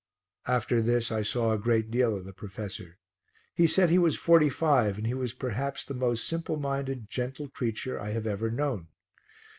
After this I saw a great deal of the professor. He said he was forty five and he was perhaps the most simple minded, gentle creature I have ever known.